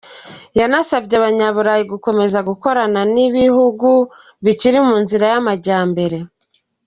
Yanasabye Abanyaburayi gukomeza gukorana n’ibihugu bikiri mu nzira y’amajyambere.